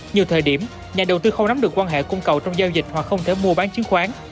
nhiều thời điểm nhà đầu tư không nắm được quan hệ cung cầu trong giao dịch hoặc không thể mua bán chứng khoán